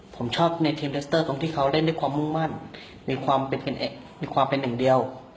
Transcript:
ผมชอบในทีมเลสเตอร์ตรงที่เขาเล่นด้วยความมุ่งมั่นมีความเป็นหนึ่งเดียว